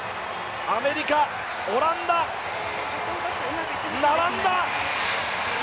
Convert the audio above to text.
アメリカ、オランダ、並んだ。